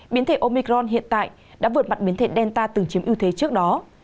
biến thể omicron hiện tại đã vượt mặt biến thể delta từng chiếm ưu thế trước đó